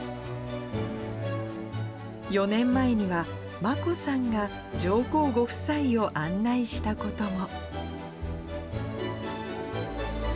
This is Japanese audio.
４年前には、眞子さんが上皇ご夫妻を案内したことも。